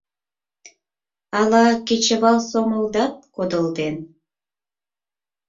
Ала кечывал сомылдат кодылден?